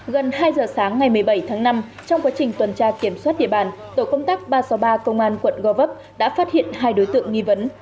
gần hai giờ sáng ngày một mươi bảy tháng năm trong quá trình tuần tra kiểm soát địa bàn tổ công tác ba trăm sáu mươi ba công an quận gò vấp đã phát hiện hai đối tượng nghi vấn